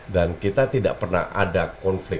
dan kita tidak pernah ada konflik